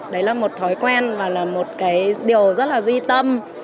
đấy là một thói quen và là một cái điều rất là duy tâm